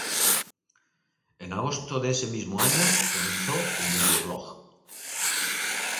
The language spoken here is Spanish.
En agosto de ese mismo año, comenzó un vídeo-blog.